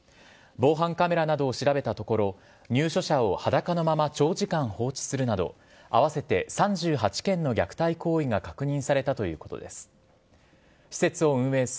防犯カメラなどを調べたところ、入所者を裸のまま長時間放置するなど、合わせて３８件の虐待行為が確認されたということです。